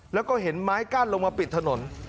แล้วก็เห็นไม้กั้นลงมาปิดถนน